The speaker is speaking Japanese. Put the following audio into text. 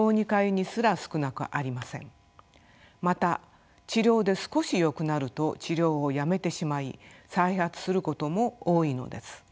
また治療で少しよくなると治療をやめてしまい再発することも多いのです。